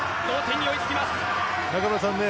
同点に追いつきます。